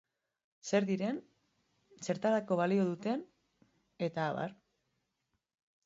Zer diren, zertarako balio duten eta abar.